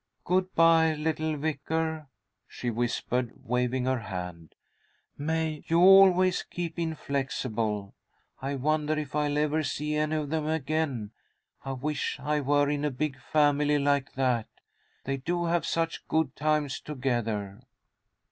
"Good bye, little vicar," she whispered, waving her hand. "May you always keep inflexible. I wonder if I'll ever see any of them again. I wish I were in a big family like that. They do have such good times together."